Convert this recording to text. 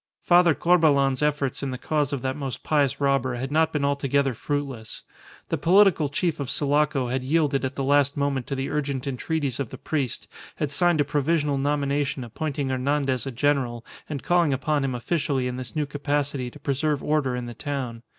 Father Corbelan's efforts in the cause of that most pious robber had not been altogether fruitless. The political chief of Sulaco had yielded at the last moment to the urgent entreaties of the priest, had signed a provisional nomination appointing Hernandez a general, and calling upon him officially in this new capacity to preserve order in the town.